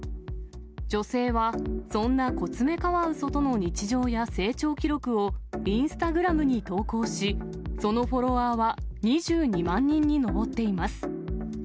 女性は、そんなコツメカワウソとの日常や成長記録をインスタグラムに投稿し、そのフォロワーは２２万人に上っています。